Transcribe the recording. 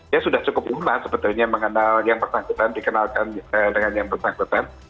dia sudah cukup luna sebetulnya mengenal yang bersangkutan dikenalkan dengan yang bersangkutan